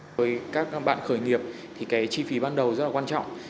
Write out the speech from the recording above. với các bạn khởi nghiệp thì cái chi phí ban đầu rất là quan trọng